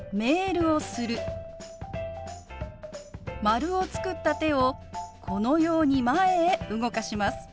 丸を作った手をこのように前へ動かします。